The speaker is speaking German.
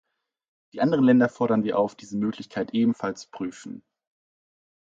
Die anderen Länder fordern wir auf, diese Möglichkeit ebenfalls zu prüfen.